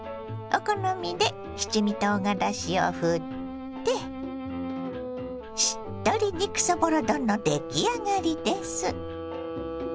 お好みで七味とうがらしをふってしっとり肉そぼろ丼の出来上がりです。